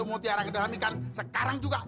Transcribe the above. mutiara ke dalam ikan sekarang juga